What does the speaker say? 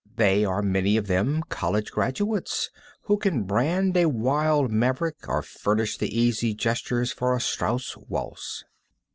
They are many of them college graduates, who can brand a wild Maverick or furnish the easy gestures for a Strauss waltz.